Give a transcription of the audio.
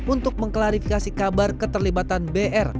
untuk mengklarifikasi kabar keterlibatan br